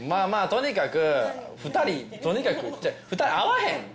とにかく２人とにかく２人合わへん